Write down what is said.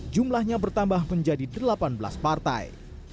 jumlahnya bertambah menjadi delapan belas partai